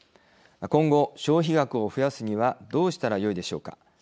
今後、消費額を増やすにはどうしたらよいでしょうか。